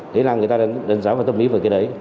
thế là người ta đánh giá và tâm ý về cái đấy